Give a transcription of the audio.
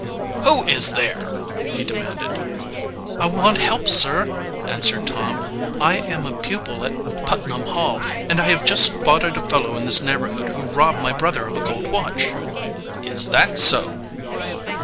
"Who is there?" he demanded. "I want help, sir," answered Tom. "I am a pupil at Putnam Hall, and I have just spotted a fellow in this neighborhood who robbed my brother of a gold watch." "Is that so!"